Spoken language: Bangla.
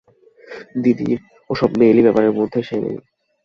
দিদির ওসব মেয়েলি ব্যাপারের মধ্যে সে নাই।